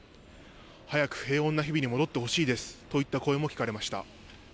早く平穏な日々に戻ってほしいですといった声も聞かれました。